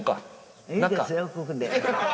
ええですよ、ここで。